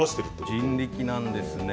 人力なんですね。